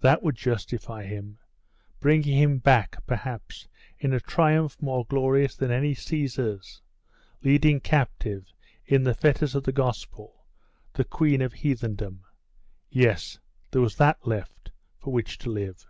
That would justify him bring him back, perhaps, in a triumph more glorious than any Caesar's, leading captive, in the fetters of the Gospel, the Queen of Heathendom. Yes, there was that left, for which to live.